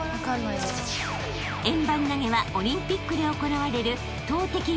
［円盤投はオリンピックで行われる投てき